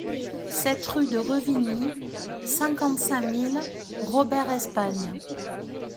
sept rue de Revigny, cinquante-cinq mille Robert-Espagne